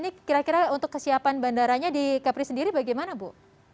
ini kira kira untuk kesiapan bandaranya di kepri sendiri bagaimana bu